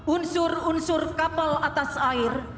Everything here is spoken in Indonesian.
unsur unsur kapal atas air